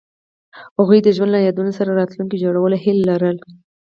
هغوی د ژوند له یادونو سره راتلونکی جوړولو هیله لرله.